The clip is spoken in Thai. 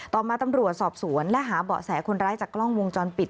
ต่อมาตำรวจสอบสวนและหาเบาะแสคนร้ายจากกล้องวงจรปิด